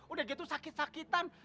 udah gitu sakit sakitan